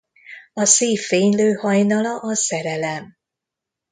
A szív fénylő hajnala a szerelem.